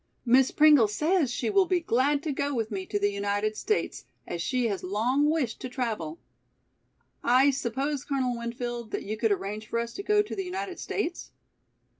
Miss Pringle says she will be glad to go with me to the United States, as she has long wished to travel. I suppose, Colonel Winfield, that you could arrange for us to go to the United States?"